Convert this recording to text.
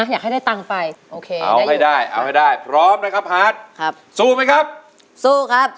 ใช้ครับ